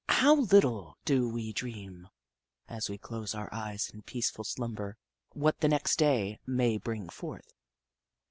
How httle do we dream, as we close our eyes in peaceful slumber, what the next day may bring forth!